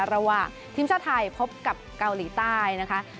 ระหว่างทีมชาติไทยพบกับเกาหลีใต้นะคะ